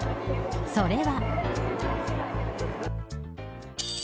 それは。